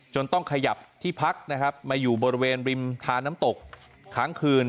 ต้องขยับที่พักนะครับมาอยู่บริเวณริมทานน้ำตกค้างคืน